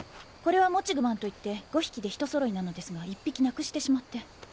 これはモチグマンといって５匹で一揃いなのですが１匹なくしてしまって。